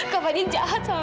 kak fadil jahat sama minah